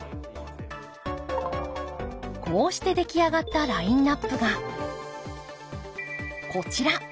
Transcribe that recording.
こうして出来上がったラインナップがこちら。